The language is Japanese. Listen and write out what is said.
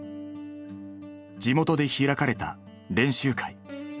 地元で開かれた練習会。